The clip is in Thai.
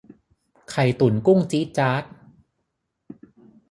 ไข่ตุ๋นกุ้งจี๊ดจ๊าด